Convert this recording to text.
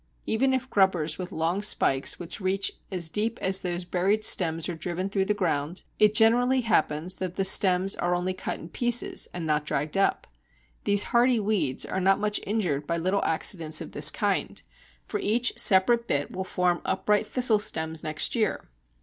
Even if grubbers with long spikes which reach as deep as these buried stems are driven through the ground, it generally happens that the stems are only cut in pieces and not dragged up. These hardy weeds are not much injured by little accidents of this kind, for each separate bit will form upright thistle stems next year.